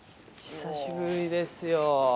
久しぶりですよ。